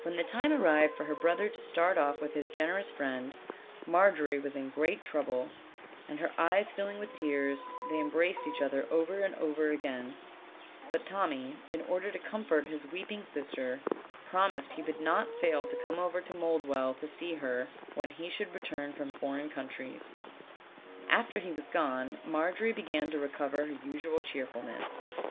When the time arrived for her brother to start off with his generous friend, Margery was in great trouble, and her eyes filling with tears, they embraced each other over and over again; but Tommy, in order to comfort his weeping sister, promised he would not fail to come over 4 OLD, OLD FAIRY TALES. to Monldwell to see her, when he should return from foreign countries. After he was gone Margery began to recover her usual cheerfulness.